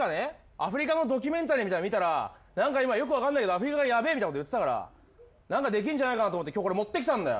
アフリカのドキュメンタリーみたいの見たら何か今よく分かんないけどアフリカがヤベえみたいなこと言ってたから何かできんじゃないかなと思って今日これ持ってきたんだよ。